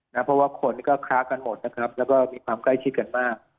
เพราะว่าคนก็ค้ากันหมดนะครับแล้วก็มีความใกล้ชิดกันมาก